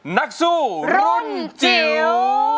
นักสู้รุ่นจิ๋ว